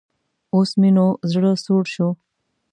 اوس مې نو زړۀ سوړ شو.